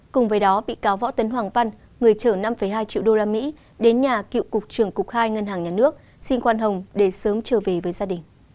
cùng với đó bị cáo võ tấn hoàng văn người chở năm hai triệu usd đến nhà cựu cục trưởng cục hai ngân hàng nhà nước xin khoan hồng để sớm trở về với gia đình